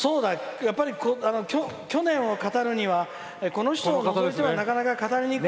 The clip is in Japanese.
やっぱり去年を語るにはこの人を除いては語りにくい。